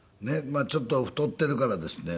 まあちょっと太っているからですね